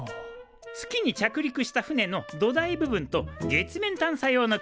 月に着陸した船の土台部分と月面探査用の車なんだ。